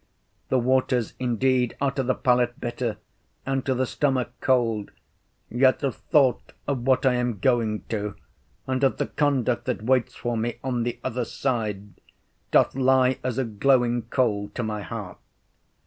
The waters indeed are to the palate bitter and to the stomach cold, yet the thought of what I am going to and of the conduct that waits for me on the other side, doth lie as a glowing coal at my heart.